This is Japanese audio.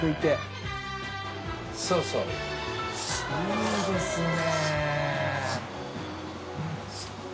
いいですね。